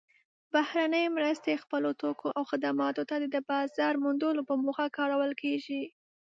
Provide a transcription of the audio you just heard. بهرنۍ مرستې خپلو توکو او خدماتو ته د بازار موندلو په موخه کارول کیږي.